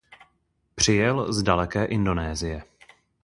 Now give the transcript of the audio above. Přijel z daleké Indonésie.